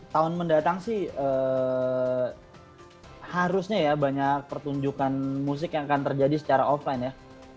tahun mendatang sih harusnya ya banyak pertunjukan musik yang akan terjadi secara offline ya